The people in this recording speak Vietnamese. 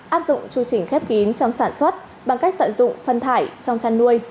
áp dụng chu trình khép kín trong sản xuất bằng cách tận dụng phân thải trong chăn nuôi